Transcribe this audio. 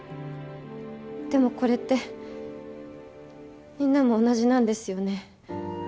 でもこれってみんなも同じなんですよね？